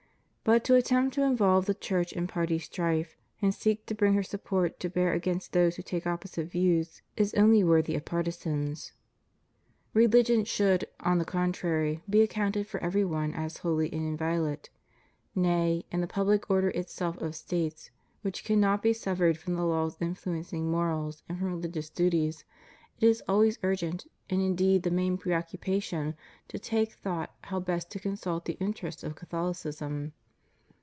But to attempt to involve the Church in party strife, and seek to bring her support to bear against those who take opposite views, is only worthy of partisans. ReUgion should, on the con* CHIEF DUTIES OF CHRISTIANS AS CITIZENS. 197 trary, be accounted by every one as holy and inviolate; nay, in the public order itself of States — ^which cannot be severed from the laws influencing morals and from religious duties — it is always urgent, and indeed the main preoccupation, to take thought how best to consult the interests of Catholicism.